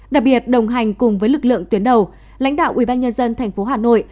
đặc biệt đồng hành cùng với lực lượng tuyến đầu lãnh đạo ubnd thành phố hà nội